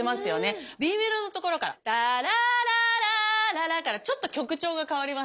Ｂメロのところから「タラララーララ」からちょっと曲調が変わりますよね。